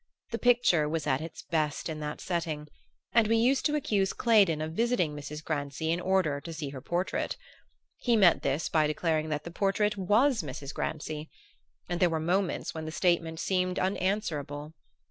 The picture was at its best in that setting; and we used to accuse Claydon of visiting Mrs. Grancy in order to see her portrait. He met this by declaring that the portrait was Mrs. Grancy; and there were moments when the statement seemed unanswerable.